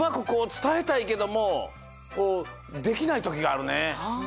こうつたえたいけどもこうできないときがあるね。